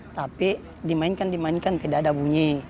tapi dimainkan dimainkan tidak ada bunyi